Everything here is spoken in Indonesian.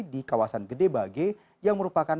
di kawasan gedebage yang merupakan